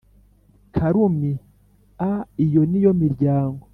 Karumi a Iyo ni yo miryango